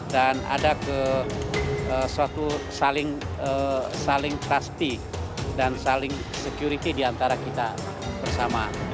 dan ada suatu saling trustee dan saling security diantara kita bersama